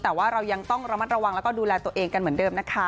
แต่ว่าเรายังต้องระมัดระวังแล้วก็ดูแลตัวเองกันเหมือนเดิมนะคะ